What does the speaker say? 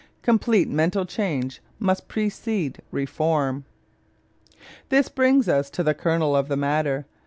COMPLETE MENTAL CHANGE MUST PRECEDE REFORM This brings us to the kernel of the matter.